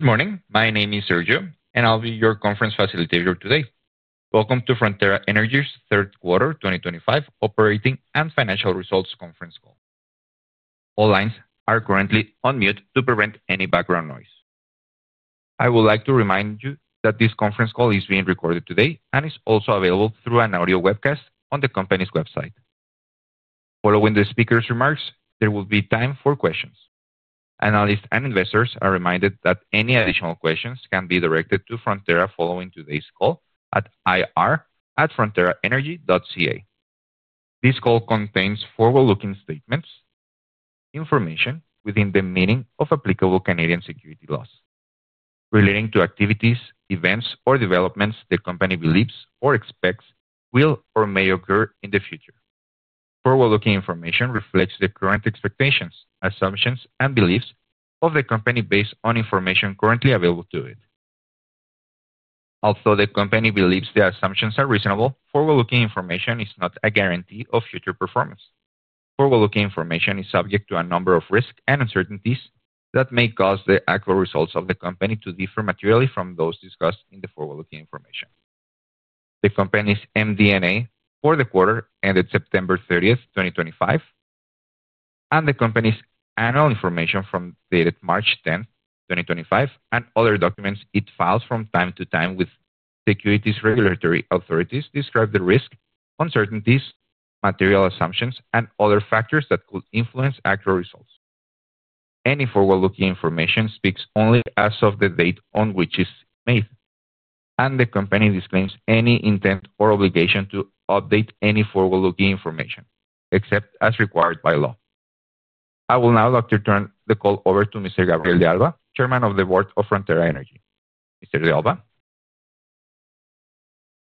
Good morning. My name is Sergio, and I'll be your conference facilitator today. Welcome to Frontera Energy's Third Quarter 2025 Operating and Financial Results Conference Call. All lines are currently on mute to prevent any background noise. I would like to remind you that this conference call is being recorded today and is also available through an audio webcast on the company's website. Following the speaker's remarks, there will be time for questions. Analysts and investors are reminded that any additional questions can be directed to Frontera following today's call at ir@fronteraenergy.ca. This call contains forward-looking statements, information within the meaning of applicable Canadian security laws, relating to activities, events, or developments the company believes or expects will or may occur in the future. Forward-looking information reflects the current expectations, assumptions, and beliefs of the company based on information currently available to it. Although the company believes the assumptions are reasonable, forward-looking information is not a guarantee of future performance. Forward-looking information is subject to a number of risks and uncertainties that may cause the actual results of the company to differ materially from those discussed in the forward-looking information. The company's MD&A for the quarter ended September 30, 2025, and the company's annual information form dated March 10, 2025, and other documents it files from time to time with securities regulatory authorities describe the risks, uncertainties, material assumptions, and other factors that could influence actual results. Any forward-looking information speaks only as of the date on which it is made, and the company disclaims any intent or obligation to update any forward-looking information except as required by law. I will now like to turn the call over to Mr. Gabriel de Alba, Chairman of the Board of Frontera Energy. Mr. de Alba.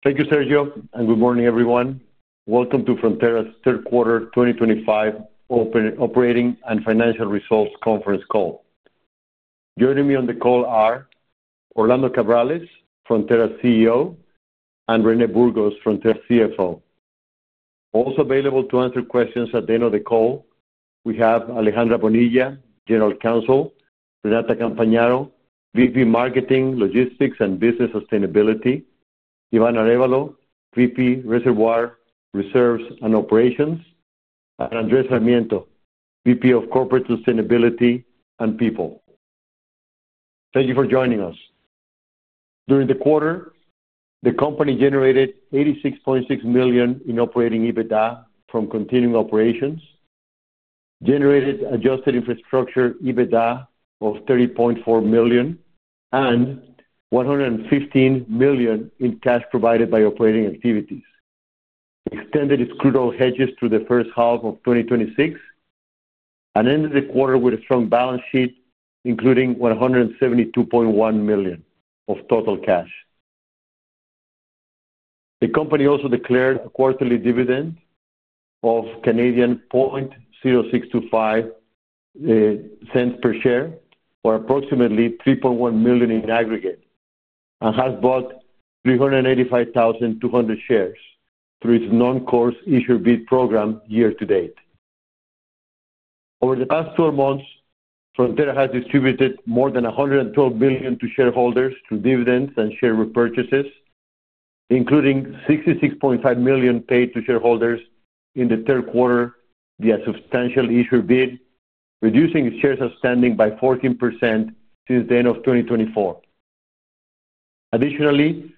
Thank you, Sergio, and good morning, everyone. Welcome to Frontera's Third Quarter 2025 Operating and Financial Results Conference Call. Joining me on the call are Orlando Cabrales, Frontera CEO, and Rene Burgos, Frontera CFO. Also available to answer questions at the end of the call, we have Alejandra Bonilla, General Counsel, Renata Campañaro, VP Marketing, Logistics and Business Sustainability, Iván Arevalo, VP Reservoir Reserves and Operations, and Andrés Sarmiento, VP of Corporate Sustainability and People. Thank you for joining us. During the quarter, the company generated $86.6 million in Operating EBITDA from continuing operations, generated adjusted infrastructure EBITDA of $30.4 million, and $115 million in cash provided by operating activities, extended its crude oil hedges through the first half of 2026, and ended the quarter with a strong balance sheet including $172.1 million of total cash. The company also declared a quarterly dividend of 0.0625 per share or approximately 3.1 million in aggregate and has bought 385,200 shares through its normal course issuer bid program year to date. Over the past 12 months, Frontera has distributed more than 112 million to shareholders through dividends and share repurchases, including 66.5 million paid to shareholders in the third quarter via substantial issuer bid, reducing its shares outstanding by 14% since the end of 2024. Additionally,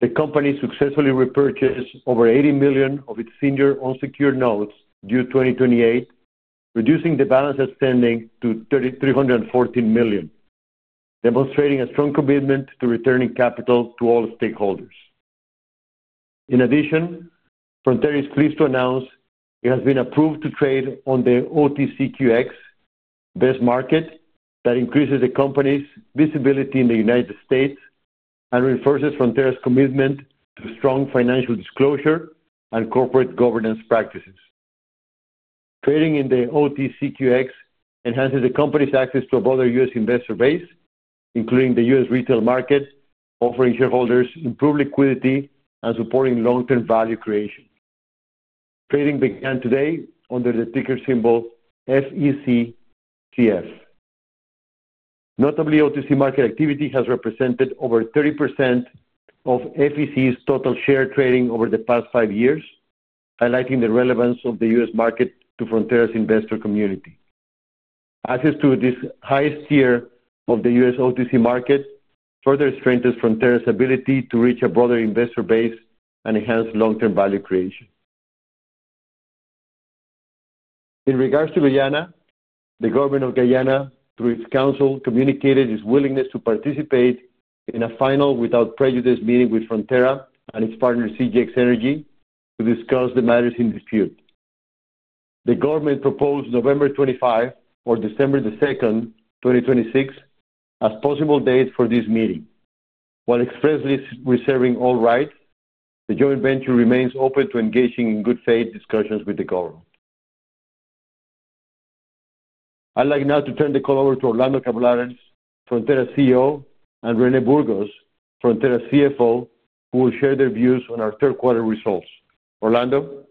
the company successfully repurchased over $80 million of its senior unsecured notes due 2028, reducing the balance outstanding to $314 million, demonstrating a strong commitment to returning capital to all stakeholders. In addition, Frontera is pleased to announce it has been approved to trade on the OTCQX, best market that increases the company's visibility in the United States and reinforces Frontera's commitment to strong financial disclosure and corporate governance practices. Trading in the OTCQX enhances the company's access to a broader U.S. investor base, including the U.S. retail market, offering shareholders improved liquidity and supporting long-term value creation. Trading began today under the ticker symbol FECTF. Notably, OTC market activity has represented over 30% of FEC's total share trading over the past five years, highlighting the relevance of the U.S. market to Frontera's investor community. Access to this highest tier of the U.S. OTC market further strengthens Frontera's ability to reach a broader investor base and enhance long-term value creation. In regards to Guyana, the government of Guyana, through its council, communicated its willingness to participate in a final without prejudice meeting with Frontera and its partner, CGX Energy, to discuss the matters in dispute. The government proposed November 25 or December 2, 2026, as possible dates for this meeting. While expressly reserving all rights, the joint venture remains open to engaging in good faith discussions with the government. I'd like now to turn the call over to Orlando Cabrales, Frontera CEO, and Rene Burgos, Frontera CFO, who will share their views on our third quarter results. Orlando.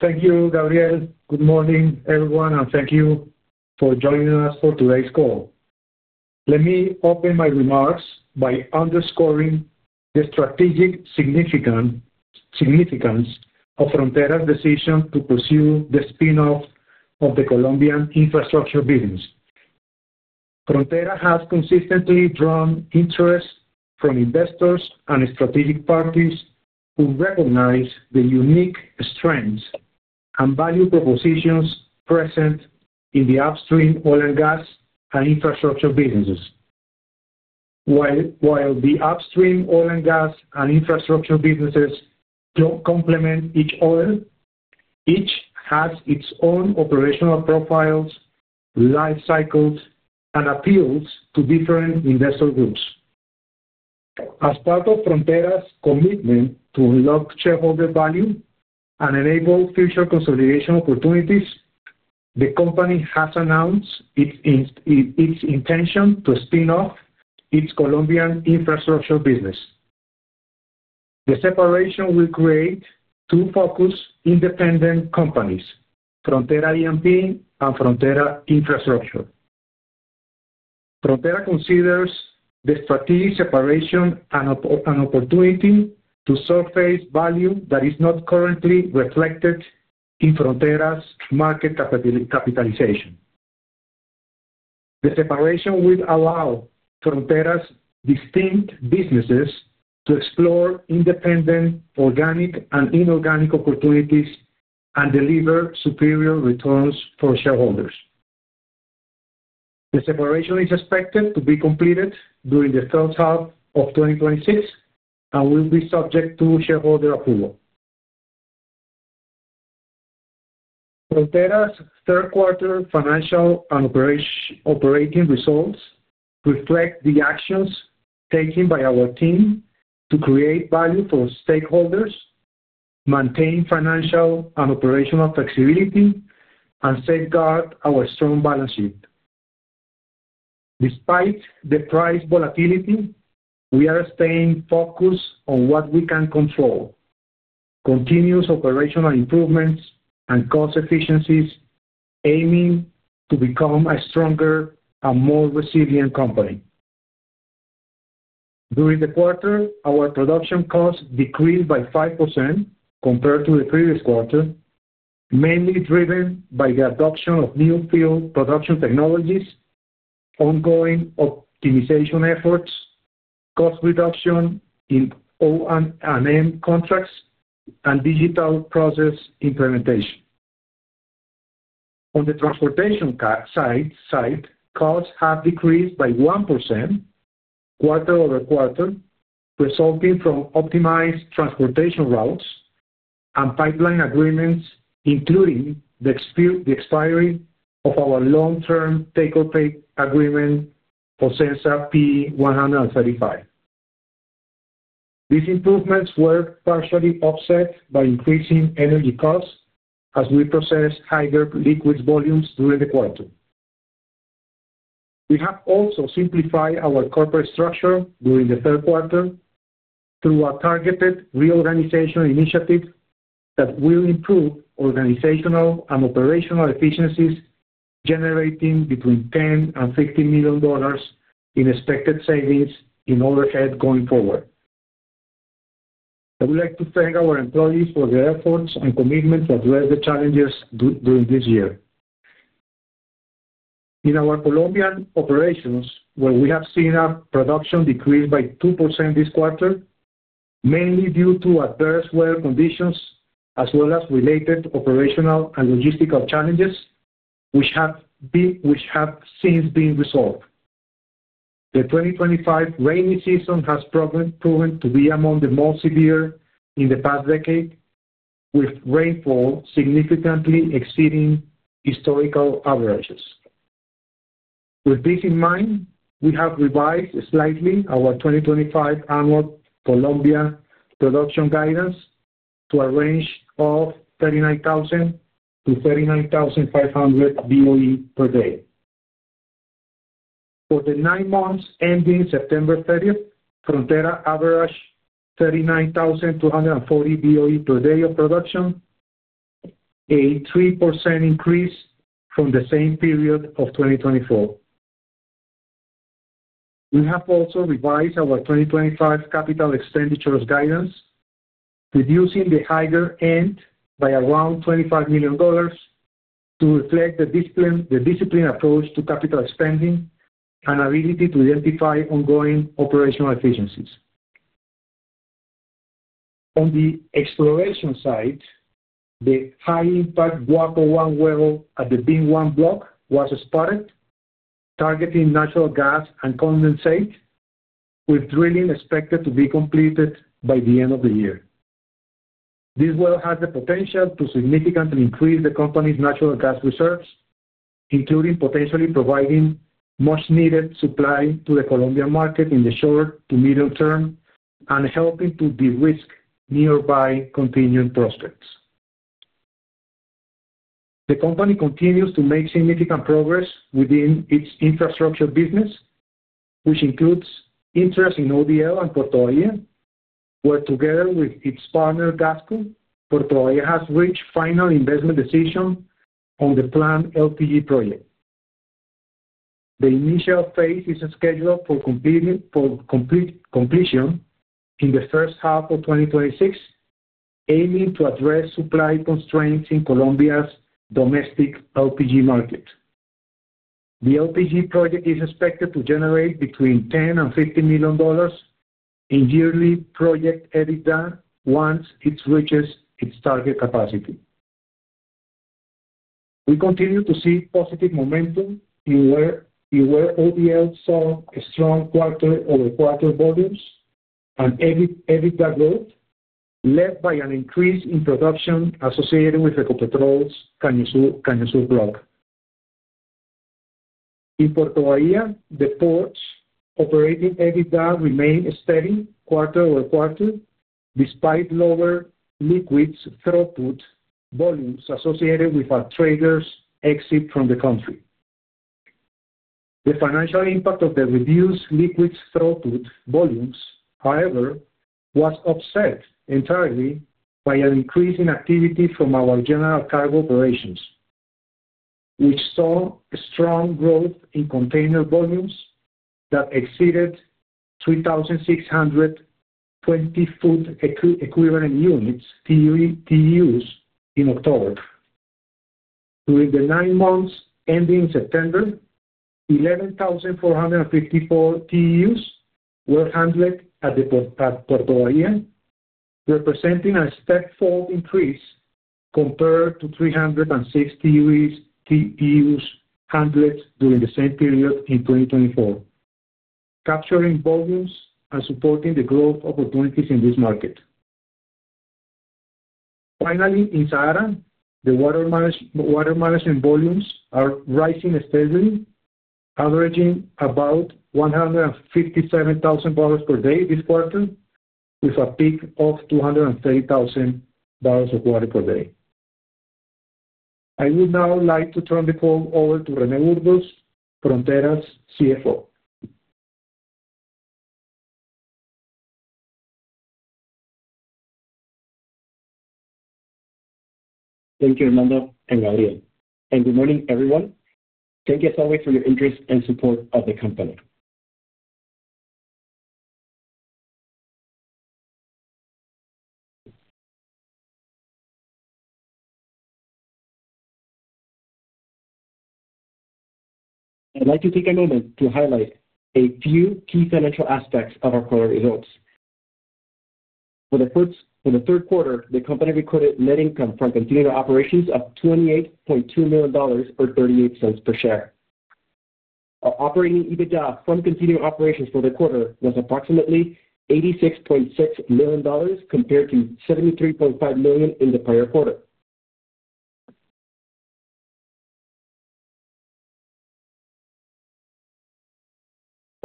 Thank you, Gabriel. Good morning, everyone, and thank you for joining us for today's call. Let me open my remarks by underscoring the strategic significance of Frontera's decision to pursue the spinoff of the Colombian infrastructure business. Frontera has consistently drawn interest from investors and strategic parties who recognize the unique strengths and value propositions present in the upstream oil and gas and infrastructure businesses. While the upstream oil and gas and infrastructure businesses do not complement each other, each has its own operational profiles, life cycles, and appeals to different investor groups. As part of Frontera's commitment to unlock shareholder value and enable future consolidation opportunities, the company has announced its intention to spin off its Colombian infrastructure business. The separation will create two focus-independent companies, Frontera EMP and Frontera Infrastructure. Frontera considers the strategic separation an opportunity to surface value that is not currently reflected in Frontera's market capitalization. The separation will allow Frontera's distinct businesses to explore independent organic and inorganic opportunities and deliver superior returns for shareholders. The separation is expected to be completed during the third half of 2026 and will be subject to shareholder approval. Frontera's third quarter financial and operating results reflect the actions taken by our team to create value for stakeholders, maintain financial and operational flexibility, and safeguard our strong balance sheet. Despite the price volatility, we are staying focused on what we can control, continuous operational improvements, and cost efficiencies, aiming to become a stronger and more resilient company. During the quarter, our production costs decreased by 5% compared to the previous quarter, mainly driven by the adoption of new field production technologies, ongoing optimization efforts, cost reduction in O&M contracts, and digital process implementation. On the transportation side, costs have decreased by 1% quarter over quarter, resulting from optimized transportation routes and pipeline agreements, including the expiry of our long-term take-up agreement, OSENSA P135. These improvements were partially offset by increasing energy costs as we processed higher liquids volumes during the quarter. We have also simplified our corporate structure during the third quarter through a targeted reorganization initiative that will improve organizational and operational efficiencies, generating between $10 million and $15 million in expected savings in overhead going forward. I would like to thank our employees for their efforts and commitment to address the challenges during this year. In our Colombian operations, where we have seen a production decrease by 2% this quarter, mainly due to adverse weather conditions as well as related operational and logistical challenges, which have since been resolved. The 2025 rainy season has proven to be among the most severe in the past decade, with rainfall significantly exceeding historical averages. With this in mind, we have revised slightly our 2025 annual Colombia production guidance to a range of 39,000-39,500 BOE per day. For the nine months ending September 30, Frontera averaged 39,240 BOE per day of production, a 3% increase from the same period of 2024. We have also revised our 2025 capital expenditures guidance, reducing the higher end by around $25 million to reflect the disciplined approach to capital spending and ability to identify ongoing operational efficiencies. On the exploration side, the high-impact Guapo 1 well at the Bin 1 block was started, targeting natural gas and condensate, with drilling expected to be completed by the end of the year. This well has the potential to significantly increase the company's natural gas reserves, including potentially providing much-needed supply to the Colombian market in the short to middle term and helping to de-risk nearby continuing prospects. The company continues to make significant progress within its infrastructure business, which includes interest in ODL and Porto Aire, where together with its partner Gasco, Porto Aire has reached final investment decision on the planned LPG project. The initial phase is scheduled for completion in the first half of 2026, aiming to address supply constraints in Colombia's domestic LPG market. The LPG project is expected to generate between $10 million-$15 million in yearly project EBITDA once it reaches its target capacity. We continue to see positive momentum in where ODL saw strong quarter over quarter volumes and EBITDA growth, led by an increase in production associated with Ecopetrol's Cañasur block. In Porto Aire, the port's Operating EBITDA remained steady quarter over quarter despite lower liquids throughput volumes associated with traders' exit from the country. The financial impact of the reduced liquids throughput volumes, however, was offset entirely by an increase in activity from our general cargo operations, which saw strong growth in container volumes that exceeded 3,620 twenty-foot equivalent units (TEUs) in October. During the nine months ending September, 11,454 TEUs were handled at Porto Aire, representing a step-fold increase compared to 306 TEUs handled during the same period in 2023, capturing volumes and supporting the growth opportunities in this market. Finally, in Sabanero, the water management volumes are rising steadily, averaging about 157,000 barrels per day this quarter, with a peak of 230,000 barrels of water per day. I would now like to turn the call over to Rene Burgos, Frontera's CFO. Thank you, Armando and Gabriel. Good morning, everyone. Thank you, as always, for your interest and support of the company. I'd like to take a moment to highlight a few key financial aspects of our quarter results. For the third quarter, the company recorded net income from continuing operations of $28.2 million or $0.38 per share. Our Operating EBITDA from continuing operations for the quarter was approximately $86.6 million compared to $73.5 million in the prior quarter.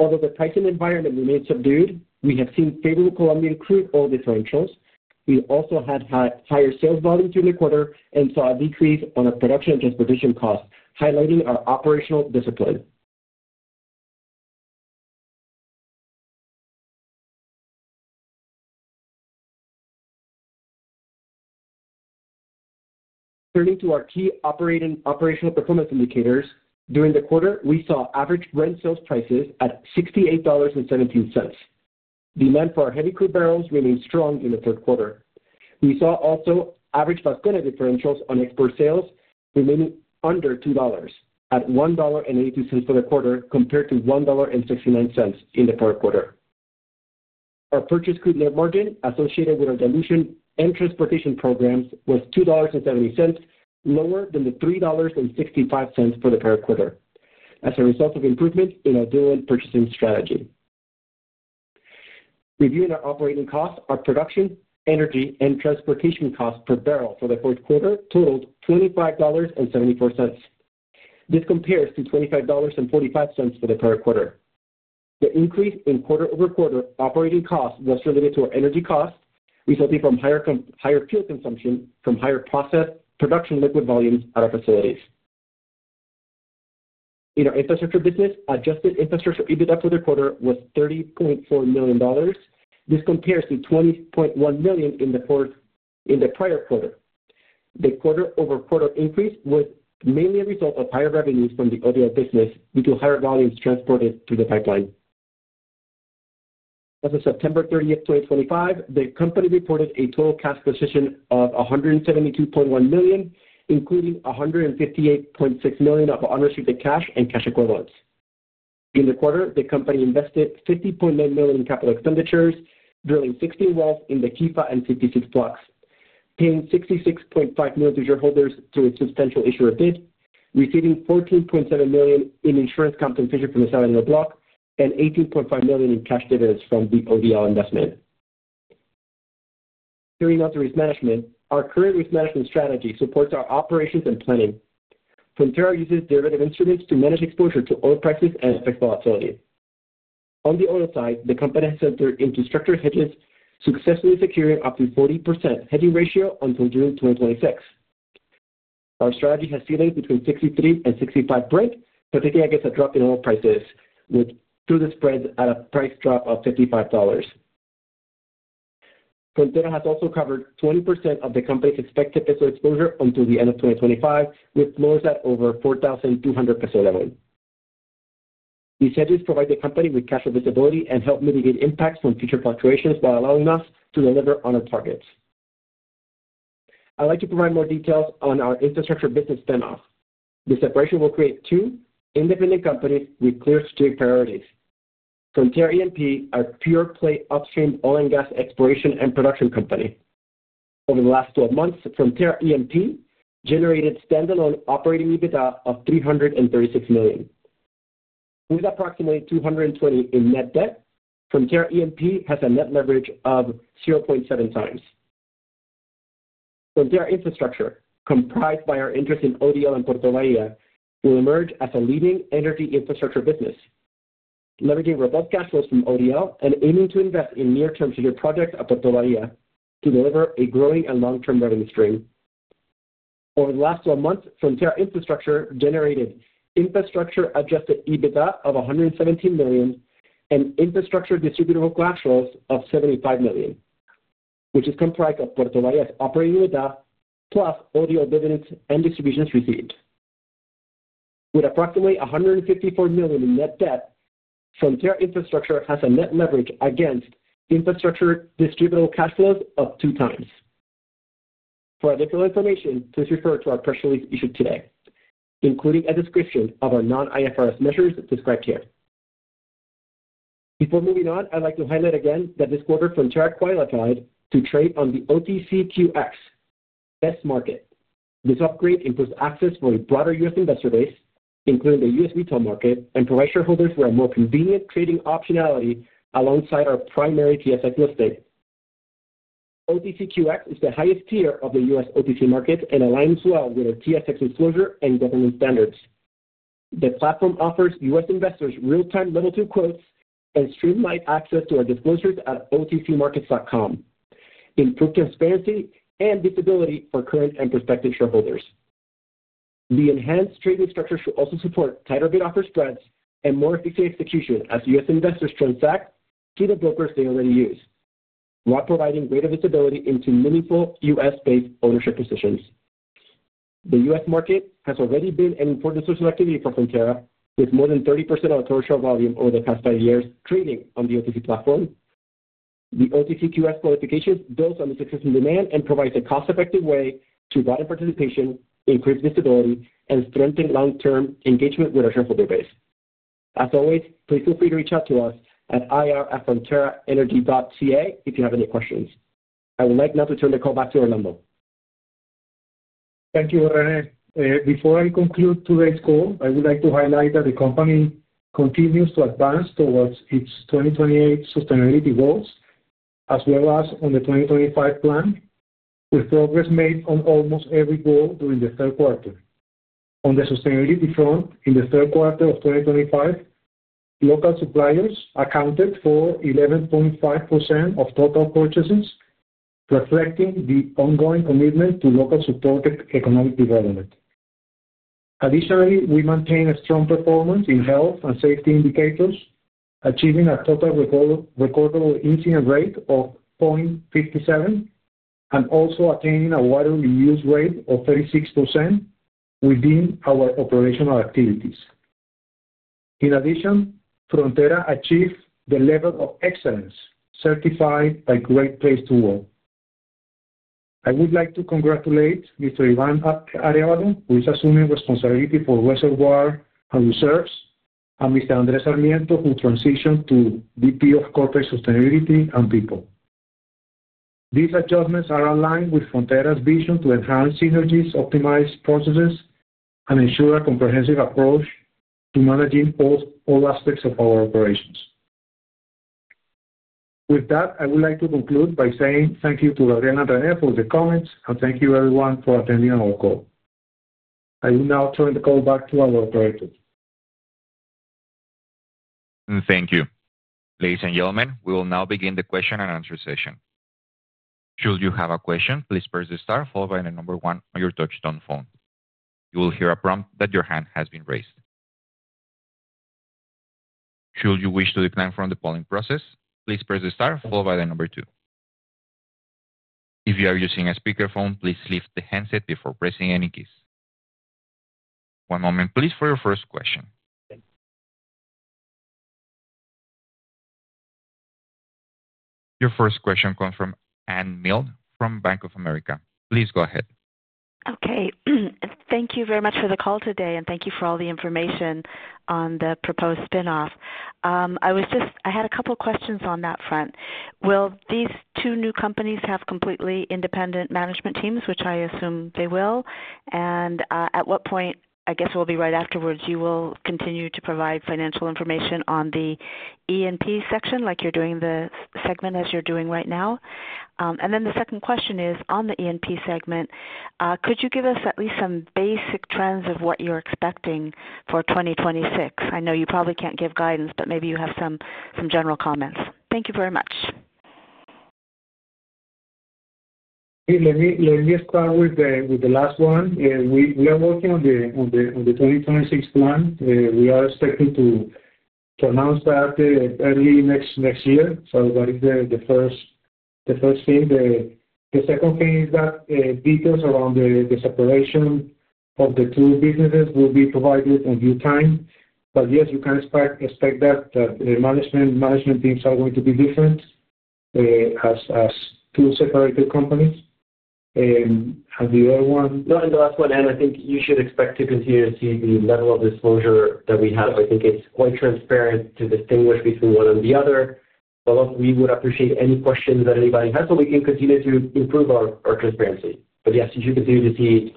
Although the pricing environment remained subdued, we have seen favorable Colombian crude oil differentials. We also had higher sales volume during the quarter and saw a decrease in our production and transportation costs, highlighting our operational discipline. Turning to our key operational performance indicators, during the quarter, we saw average grant sales prices at $68.17. Demand for our heavy crude barrels remained strong in the third quarter. We saw also average Vasconia differentials on export sales remaining under $2 at $1.82 for the quarter compared to $1.69 in the prior quarter. Our purchase crude net margin associated with our dilution and transportation programs was $2.70, lower than the $3.65 for the prior quarter, as a result of improvement in our dual purchasing strategy. Reviewing our operating costs, our production, energy, and transportation costs per barrel for the fourth quarter totaled $25.74. This compares to $25.45 for the prior quarter. The increase in quarter over quarter operating costs was related to our energy costs, resulting from higher fuel consumption from higher processed production liquid volumes at our facilities. In our infrastructure business, Adjusted Infrastructure EBITDA for the quarter was $30.4 million. This compares to $20.1 million in the prior quarter. The quarter over quarter increase was mainly a result of higher revenues from the ODL business due to higher volumes transported through the pipeline. As of September 30, 2025, the company reported a total cash position of $172.1 million, including $158.6 million of unrestricted cash and cash equivalents. In the quarter, the company invested $50.9 million in capital expenditures, drilling 16 wells in the Quifa and 56 blocks, paying $66.5 million to shareholders through a substantial issuer bid, receiving $14.7 million in insurance compensation from the Sabanero block and $18.5 million in cash dividends from the ODL investment. Turning now to risk management, our current risk management strategy supports our operations and planning. Frontera uses derivative instruments to manage exposure to oil prices and affect volatility. On the oil side, the company has entered into structured hedges, successfully securing up to 40% hedging ratio until June 2026. Our strategy has ceilings between $63 and $65 Brent, protecting against a drop in oil prices through the spreads at a price drop of $55. Frontera has also covered 20% of the company's expected peso exposure until the end of 2025, with floors at over COP 4,200 level. These hedges provide the company with cash visibility and help mitigate impacts from future fluctuations while allowing us to deliver on our targets. I'd like to provide more details on our infrastructure business spinoff. The separation will create two independent companies with clear strategic priorities. Frontera EMP are pure-play upstream oil and gas exploration and production company. Over the last 12 months, Frontera EMP generated standalone Operating EBITDA of $336 million. With approximately $220 million in net debt, Frontera EMP has a net leverage of 0.7 times. Frontera Infrastructure, comprised by our interest in ODL and Porto Aire, will emerge as a leading energy infrastructure business, leveraging robust cash flows from ODL and aiming to invest in near-term secure projects at Porto Aire to deliver a growing and long-term revenue stream. Over the last 12 months, Frontera Infrastructure generated infrastructure-Adjusted EBITDA of $117 million and infrastructure distributable cash flows of $75 million, which is comprised of Porto Aire's Operating EBITDA plus ODL dividends and distributions received. With approximately $154 million in net debt, Frontera Infrastructure has a net leverage against infrastructure distributable cash flows of 2 times. For additional information, please refer to our press release issued today, including a description of our non-IFRS measures described here. Before moving on, I'd like to highlight again that this quarter, Frontera qualified to trade on the OTCQX, Best Market. This upgrade improves access for a broader U.S. investor base, including the U.S. retail market, and provides shareholders with a more convenient trading optionality alongside our primary TSX listing. OTCQX is the highest tier of the U.S. OTC market and aligns well with our TSX disclosure and governance standards. The platform offers U.S. investors real-time Level 2 quotes and streamlined access to our disclosures at otcmarkets.com, improved transparency and visibility for current and prospective shareholders. The enhanced trading structure should also support tighter bid-offer spreads and more efficient execution as U.S. investors transact through the brokers they already use, while providing greater visibility into meaningful U.S.-based ownership positions. The U.S. Market has already been an important source of activity for Frontera, with more than 30% of the commercial volume over the past five years trading on the OTC platform. The OTCQX qualification builds on the success in demand and provides a cost-effective way to broaden participation, increase visibility, and strengthen long-term engagement with our shareholder base. As always, please feel free to reach out to us at ir@frontera.energy.ca if you have any questions. I would like now to turn the call back to Orlando. Thank you, Rene. Before I conclude today's call, I would like to highlight that the company continues to advance towards its 2028 sustainability goals, as well as on the 2025 plan, with progress made on almost every goal during the third quarter. On the sustainability front, in the third quarter of 2025, local suppliers accounted for 11.5% of total purchases, reflecting the ongoing commitment to local supported economic development. Additionally, we maintain a strong performance in health and safety indicators, achieving a total recordable incident rate of 0.57 and also attaining a water reuse rate of 36% within our operational activities. In addition, Frontera achieved the level of excellence certified by Great Place to Work. I would like to congratulate Mr. Iván Arevalo, who is assuming responsibility for reservoir and reserves, and Mr. Andrés Sarmiento, who transitioned to VP of Corporate Sustainability and People. These adjustments are aligned with Frontera's vision to enhance synergies, optimize processes, and ensure a comprehensive approach to managing all aspects of our operations. With that, I would like to conclude by saying thank you to Gabriel and Rene for the comments, and thank you everyone for attending our call. I will now turn the call back to our operator. Thank you. Ladies and gentlemen, we will now begin the question and answer session. Should you have a question, please press the star, followed by the number one on your touch-tone phone. You will hear a prompt that your hand has been raised. Should you wish to decline from the polling process, please press the star, followed by the number two. If you are using a speakerphone, please lift the handset before pressing any keys. One moment, please, for your first question. Your first question comes from Ann Mill from Bank of America. Please go ahead. Okay. Thank you very much for the call today, and thank you for all the information on the proposed spinoff. I was just—I had a couple of questions on that front. Will these two new companies have completely independent management teams, which I assume they will? At what point, I guess it will be right afterwards, you will continue to provide financial information on the E&P section like you're doing the segment as you're doing right now? The second question is on the E&P segment, could you give us at least some basic trends of what you're expecting for 2026? I know you probably can't give guidance, but maybe you have some general comments. Thank you very much. Let me start with the last one. We are working on the 2026 plan. We are expected to announce that early next year. That is the first thing. The second thing is that details around the separation of the two businesses will be provided in due time. Yes, you can expect that the management teams are going to be different as two separated companies. The other one. No, and the last one, Ann, I think you should expect to continue to see the level of disclosure that we have. I think it's quite transparent to distinguish between one and the other. Although we would appreciate any questions that anybody has so we can continue to improve our transparency. Yes, you should continue to see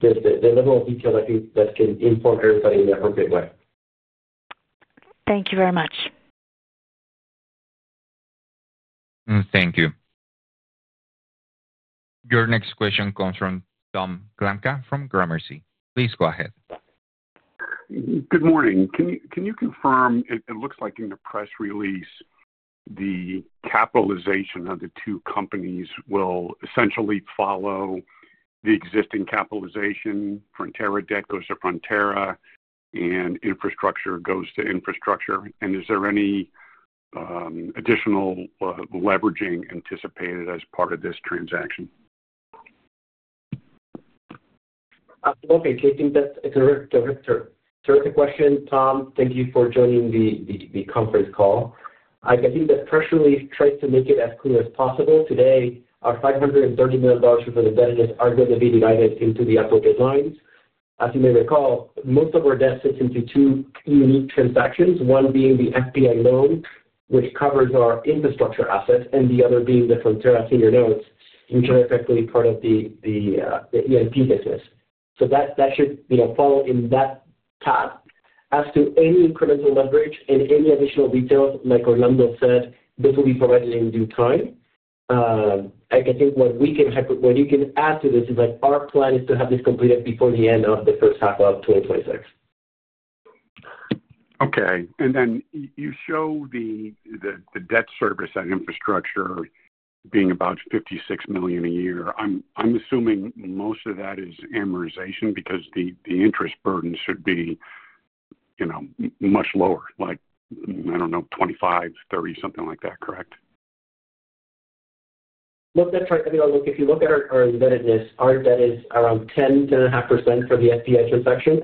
the level of detail, I think, that can inform everybody in the appropriate way. Thank you very much. Thank you. Your next question comes from Tom Glamka from Gramercy. Please go ahead. Good morning. Can you confirm, it looks like in the press release, the capitalization of the two companies will essentially follow the existing capitalization? Frontera debt goes to Frontera, and infrastructure goes to infrastructure. Is there any additional leveraging anticipated as part of this transaction? Okay. I think that's a terrific question. Tom, thank you for joining the conference call. I think the press release tries to make it as clear as possible. Today, our $530 million worth of debt is arguably divided into the appropriate lines. As you may recall, most of our debt sits into two unique transactions, one being the FPA loan, which covers our infrastructure assets, and the other being the Frontera senior notes, which are effectively part of the E&P business. That should follow in that path. As to any incremental leverage and any additional details, like Orlando said, this will be provided in due time. I think what we can add to this is our plan is to have this completed before the end of the first half of 2026. Okay. You show the debt service and infrastructure being about $56 million a year. I'm assuming most of that is amortization because the interest burden should be much lower, like, I don't know, $25-$30 million, something like that, correct? No, that's right. I mean, if you look at our indebtedness, our indebtedness is around 10-10.5% for the FPA transaction.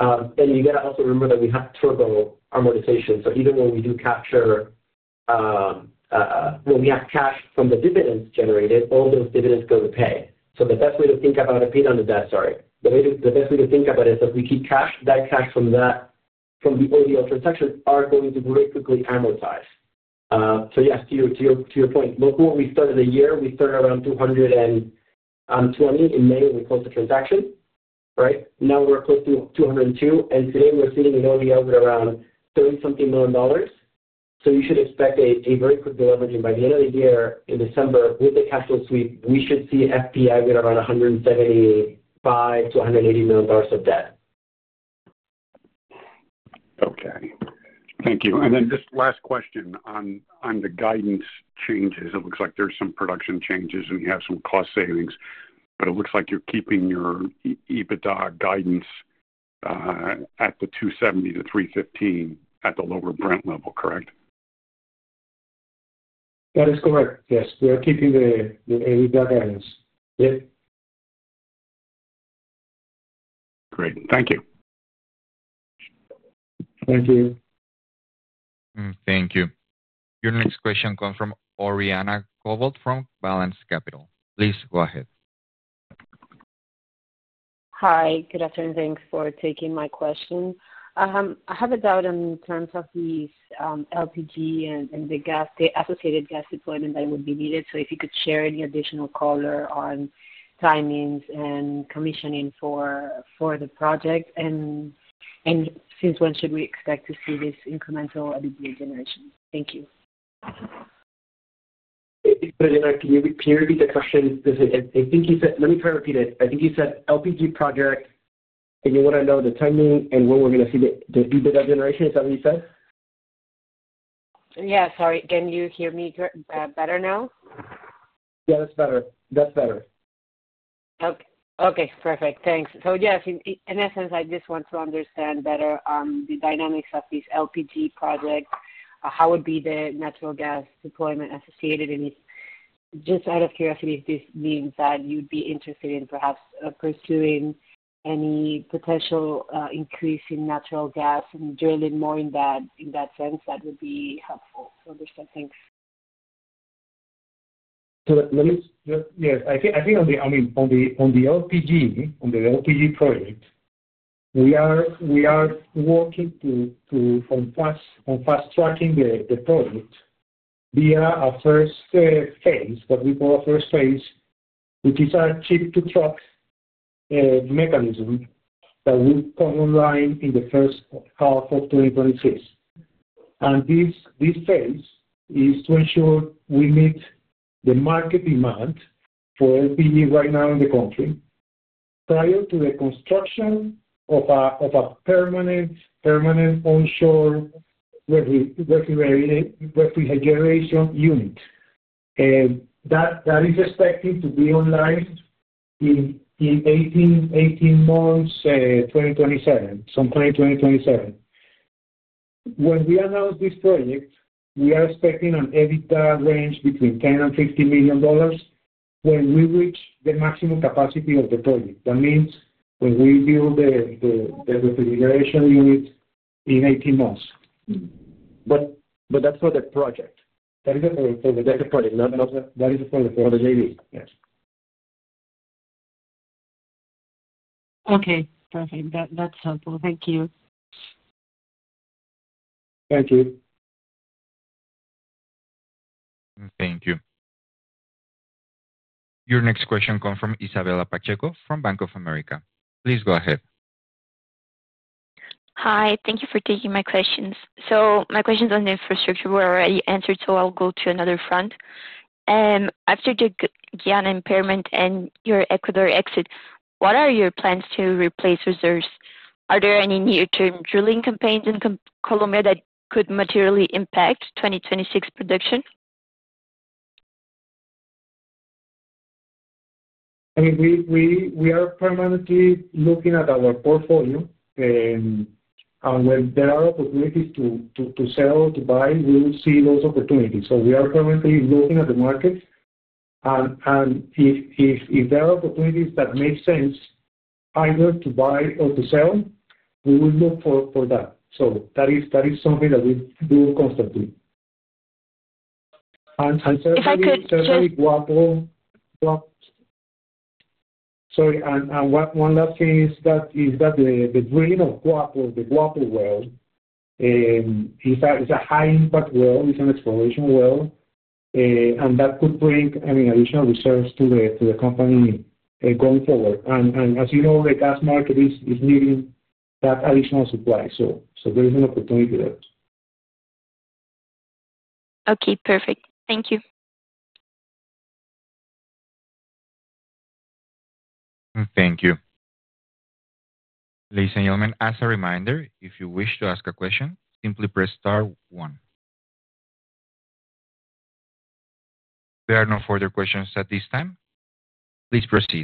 You got to also remember that we have turbo amortization. Even when we do capture, when we have cash from the dividends generated, all those dividends go to pay. The best way to think about it—paid on the debt, sorry—the best way to think about it is that we keep cash. That cash from the ODL transaction is going to very quickly amortize. Yes, to your point, before we started the year, we started around $220 million in May when we closed the transaction, right? Now we are close to $202 million, and today we are sitting in ODL with around $30-something million. You should expect a very quick delivery by the end of the year, in December, with the cash flow sweep, we should see FPA with around $175 million-$180 million of debt. Okay. Thank you. And then just last question on the guidance changes. It looks like there's some production changes and you have some cost savings, but it looks like you're keeping your EBITDA guidance at the $270 million-$315 million at the lower Brent level, correct? That is correct. Yes, we are keeping the EBITDA guidance. Yep. Great. Thank you. Thank you. Thank you. Your next question comes from Oriana Covault from Balanz Capital. Please go ahead. Hi. Good afternoon. Thanks for taking my question. I have a doubt in terms of the LPG and the associated gas deployment that would be needed. If you could share any additional color on timings and commissioning for the project. Since when should we expect to see this incremental LPG generation? Thank you. Can you repeat the question? I think you said—let me try to repeat it. I think you said LPG project, and you want to know the timing and when we're going to see the EBITDA generation. Is that what you said? Yeah. Sorry. Can you hear me better now? Yeah, that's better. That's better. Okay. Okay. Perfect. Thanks. Yes, in essence, I just want to understand better the dynamics of this LPG project, how would be the natural gas deployment associated. Just out of curiosity, if this means that you'd be interested in perhaps pursuing any potential increase in natural gas and drilling more in that sense, that would be helpful to understand. Thanks. Let me—yes. I think on the LPG, on the LPG project, we are working to fast-track the project via a first phase, what we call a first phase, which is a ship-to-truck mechanism that will come online in the first half of 2026. This phase is to ensure we meet the market demand for LPG right now in the country prior to the construction of a permanent onshore refrigeration unit that is expected to be online in 18 months, 2027, some 2027. When we announce this project, we are expecting an EBITDA range between $10 million and $15 million when we reach the maximum capacity of the project. That means when we build the refrigeration unit in 18 months. That is the project. That is for the JV. Yes. Okay. Perfect. That's helpful. Thank you. Thank you. Thank you. Your next question comes from Isabella Pacheco from Bank of America. Please go ahead. Hi. Thank you for taking my questions. My questions on the infrastructure were already answered, so I'll go to another front. After the Guyana impairment and your Ecuador exit, what are your plans to replace reserves? Are there any near-term drilling campaigns in Colombia that could materially impact 2026 production? I mean, we are permanently looking at our portfolio, and when there are opportunities to sell, to buy, we will see those opportunities. We are currently looking at the market, and if there are opportunities that make sense either to buy or to sell, we will look for that. That is something that we do constantly. If I could just. Sorry, Guapo. Sorry. One last thing is that the drilling of Guapo, the Guapo well, is a high-impact well. It's an exploration well, and that could bring, I mean, additional reserves to the company going forward. As you know, the gas market is needing that additional supply. There is an opportunity there. Okay. Perfect. Thank you. Thank you. Ladies and gentlemen, as a reminder, if you wish to ask a question, simply press star one. There are no further questions at this time. Please proceed.